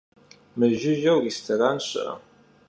Mıjjıjeu rêstoran şı'e?